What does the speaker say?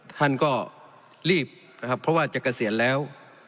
ท่านก็รีบนะครับเพราะว่าจะเกษียณแล้ว